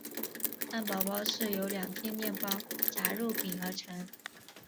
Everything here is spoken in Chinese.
汉堡包是由两片面包夹肉饼而成。